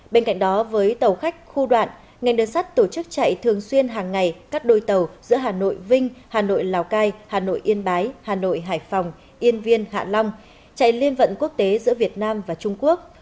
bên cạnh đó với tàu khách khu đoạn ngành đường sắt tổ chức chạy thường xuyên hàng ngày các đôi tàu giữa hà nội vinh hà nội lào cai hà nội yên bái hà nội hải phòng yên viên hạ long chạy liên vận quốc tế giữa việt nam và trung quốc